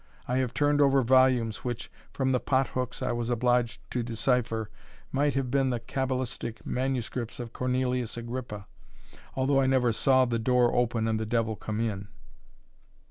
I have turned over volumes, which, from the pot hooks I was obliged to decipher, might have been the cabalistic manuscripts of Cornelius Agrippa, although I never saw "the door open and the devil come in."